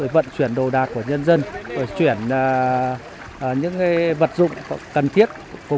vận chuyển đồ đạc của nhân dân chuyển những vật dụng cần thiết